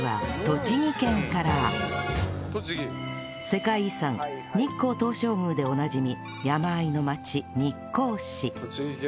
世界遺産日光東照宮でおなじみ山あいの町日光市